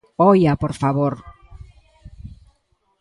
¡Oia!, ¡por favor!